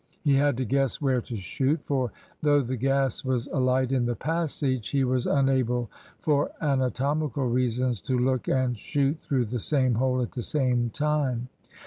He had to guess where to shoot, for though the gas was alight in the passage, he was unable for anatomical reasons to look and shoot through the same hole at the same time.